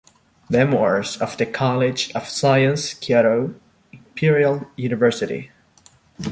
Memoirs of the College of Science, Kyoto Imperial University.